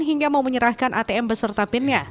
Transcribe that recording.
hingga mau menyerahkan atm beserta pinnya